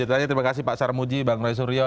tanya terima kasih pak sarmuji bang roy suryo